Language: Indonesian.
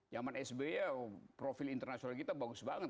jaman sbi ya profil internasional kita bagus banget